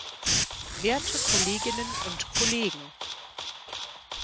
Werte Kolleginnen und Kollegen!